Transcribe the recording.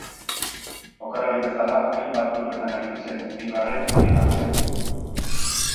Jokalari bezala hainbat klubetan aritu zen, Eibarren haien artean.